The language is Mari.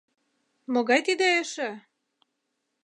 Могай тиде эше?!